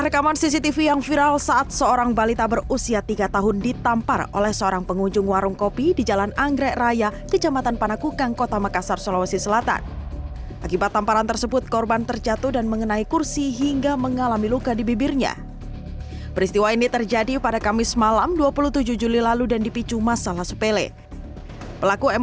kepala kepala kepala